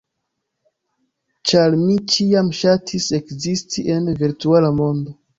ĉar mi ĉiam ŝatis ekzisti en virtuala mondo.